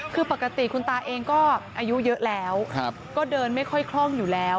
คือปกติคุณตาเองก็อายุเยอะแล้วก็เดินไม่ค่อยคล่องอยู่แล้ว